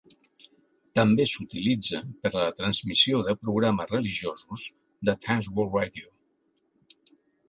També s'utilitza per a la transmissió de programes religiosos de Trans World Radio.